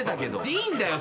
いいんだよ